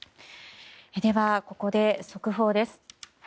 では、ここで速報です。